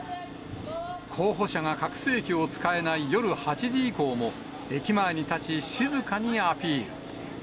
候補者が拡声器を使えない夜８時以降も、駅前に立ち、静かにアピール。